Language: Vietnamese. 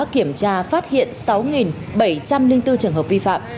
kiểm tra phát hiện sáu bảy trăm linh bốn trường hợp vi phạm